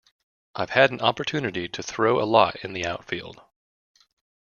I've had an opportunity to throw a lot in the outfield.